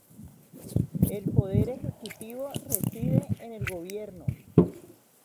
El poder ejecutivo reside en el Gobierno.